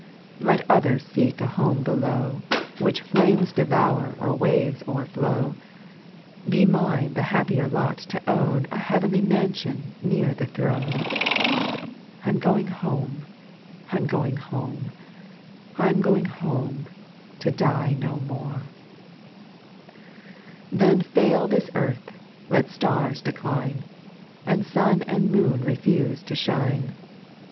Let others seek a home below, Which flames devour or waves o'erflow ; Be mine the happier lot to own A heavenly mansion near the throne. I 'm going home, etc. 5. Then fail this earth, let stars decline, And sun and moon refuse to shine.